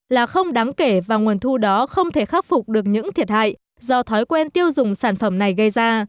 là không đáng kể và nguồn thu đó không thể khắc phục được những thiệt hại do thói quen tiêu dùng sản phẩm này gây ra